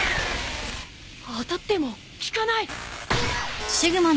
当たっても効かない！？